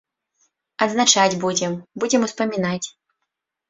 Адзначаць будзем, будзем успамінаць.